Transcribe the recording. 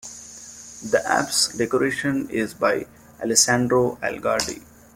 The apse decoration is by Alessandro Algardi.